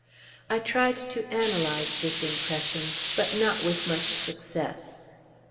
I tried to analyze this impression, but not with much success.